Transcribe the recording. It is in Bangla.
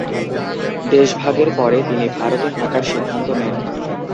দেশভাগের পরে তিনি ভারতে থাকার সিদ্ধান্ত নেন।